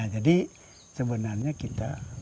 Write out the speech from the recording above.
jadi sebenarnya kita